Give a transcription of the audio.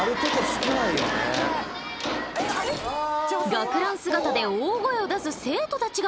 学ラン姿で大声を出す生徒たちが！